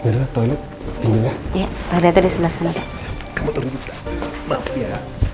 toilet pintunya ya ada di sebelah sana ya